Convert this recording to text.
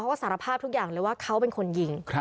ก็สารภาพทุกอย่างเลยว่าเขาเป็นคนยิง